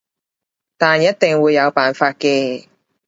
但一定會有方法嘅